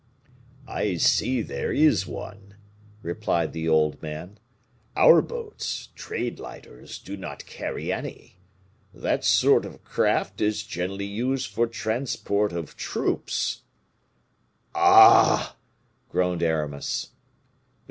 "I see there is one," replied the old man; "our boats, trade lighters, do not carry any. That sort of craft is generally used for transport of troops." "Ah!" groaned Aramis.